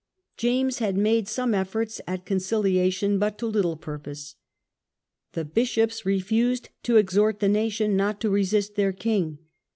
James had made some efforts at The landing Conciliation, but to little purpose. The of William, bishops rcfuscd to exhort the nation not to resist their king.